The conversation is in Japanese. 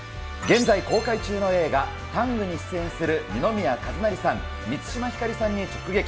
現在公開中の映画、タングに出演する二宮和也さん、満島ひかりさんに直撃。